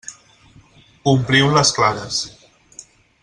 Ompliu les clares.